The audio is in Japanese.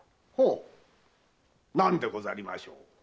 ほう何でございましょう。